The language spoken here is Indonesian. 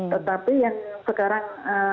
tetapi yang sekarang